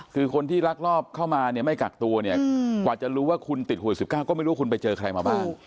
คือคนที่รักรอบเข้ามาไม่กักตัวกว่าจะรู้ว่าคุณติดข่วน๑๙ก็ไม่รู้คุณไปเจอใครมาบ้าน